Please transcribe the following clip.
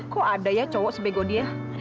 kok ada ya cowok spego dia